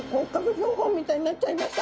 標本みたいになっちゃいました。